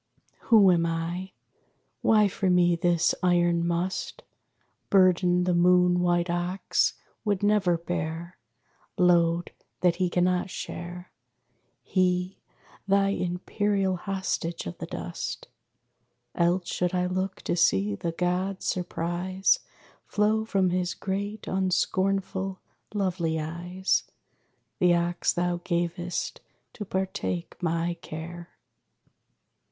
Who am I? Why for me this iron Must? Burden the moon white ox would never bear; Load that he cannot share, He, thine imperial hostage of the dust. Else should I look to see the god's surprise Flow from his great unscornful, lovely eyes The ox thou gavest to partake my care.